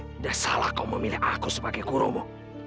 tidak salah kau memilih aku sebagai kuromo